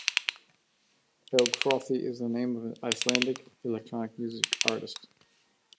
Elgfrothi is the name of an Icelandic electronic music artist.